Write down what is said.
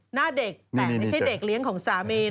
หน้าเด็กแต่ไม่ใช่เด็กเลี้ยงของสามี